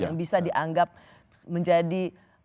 yang bisa dianggap menjadi